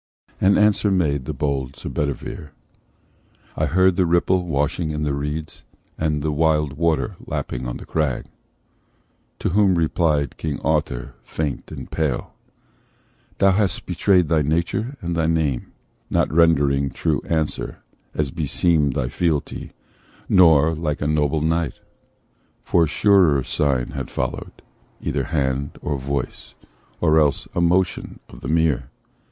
And answer made the bold Sir Bedivere: "I heard the ripple washing in the reeds, And the wild water lapping on the crag." To whom replied King Arthur, faint and pale: "Thou hast betrayed thy nature and thy name, Not rendering true answer, as beseemed Thy fealty, nor like a noble knight: For surer sign had followed, either hand, Or voice, or else a motion of the mere.